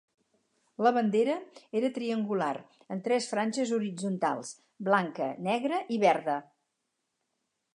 La bandera era triangular en tres franges horitzontals: blanca, negra i verda.